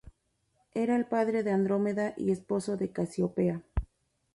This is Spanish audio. Era el padre de Andrómeda y esposo de Casiopea.